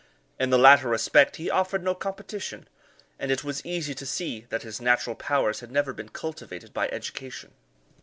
In the latter respect he offered no competition, and it was easy to see that his natural powers had never been cultivated by education.